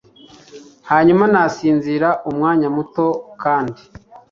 Hanyuma nasinzira umwanya muto kandi